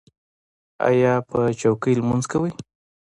ایا په چوکۍ لمونځ کوئ؟